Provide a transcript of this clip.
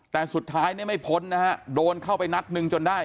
แต่สุดท้ายเนี่ยไม่พ้นนะฮะโดนเข้าไปนัดหนึ่งจนได้